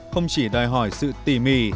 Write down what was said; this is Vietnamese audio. không chỉ đòi hỏi sự tỉ mỉ